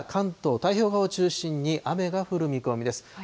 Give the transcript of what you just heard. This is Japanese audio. まだ関東、太平洋側を中心に雨が降る見込みです。